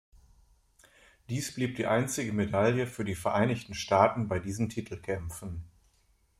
Dies blieb die einzige Medaille für die Vereinigten Staaten bei diesen Titelkämpfen.